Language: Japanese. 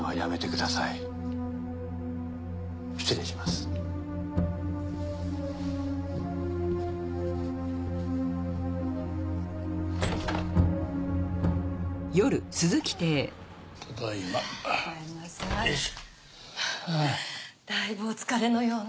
だいぶお疲れのようね。